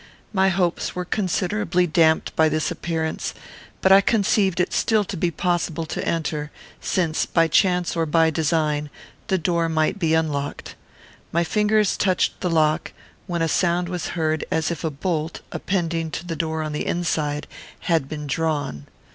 My hopes were considerably damped by this appearance, but I conceived it to be still possible to enter, since, by chance or by design, the door might be unlocked. My fingers touched the lock, when a sound was heard as if a bolt, appending to the door on the inside, had been drawn.